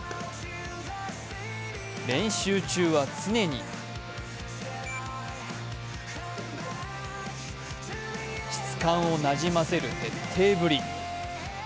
練習中は常に質感をなじませる徹底ぶり。